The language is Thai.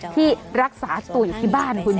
ที่รักษาตัวอยู่ที่บ้านคุณ